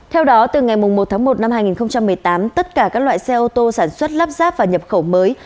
theo đó từ ngày một tháng một năm hai nghìn một mươi tám tất cả các loại xe ô tô sản xuất lắp ráp và nhập khẩu mới